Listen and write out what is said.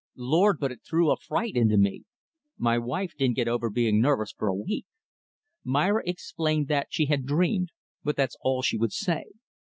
Lord! but it threw a fright into me. My wife didn't get over being nervous, for a week. Myra explained that she had dreamed but that's all she would say.